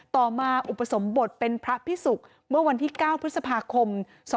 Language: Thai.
ต่อมาอุปสมบทเป็นพระพิสุกเมื่อวันที่๙พฤษภาคม๒๕๖๒